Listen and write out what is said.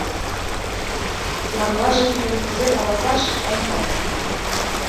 Марлаже тидым кузе каласаш — ом пале.